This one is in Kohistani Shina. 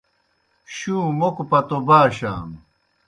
شُوں موکوْ پتو باشانوْ۔